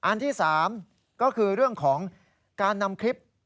อันที่๓ก็คือเรื่องของการนำคลิป